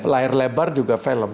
layar lebar juga film